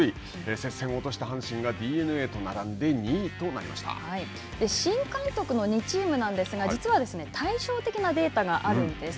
接戦を落とした阪神がＤｅＮＡと並んで新監督の２チームなんですが、実は対照的なデータがあるんです。